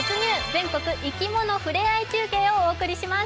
全国いきものふれあい中継」をお送りします。